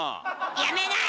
やめない！